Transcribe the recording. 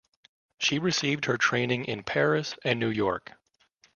She received her training in Paris and New York.